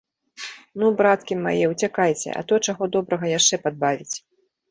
Ну, браткі мае, уцякайце, а то, чаго добрага, яшчэ падбавіць.